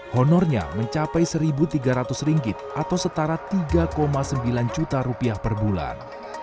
honornya mencapai rp satu tiga ratus atau setara rp tiga sembilan juta per bulan